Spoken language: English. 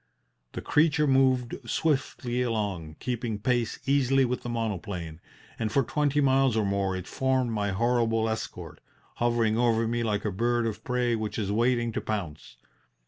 The creature moved swiftly along, keeping pace easily with the monoplane, and for twenty miles or more it formed my horrible escort, hovering over me like a bird of prey which is waiting to pounce.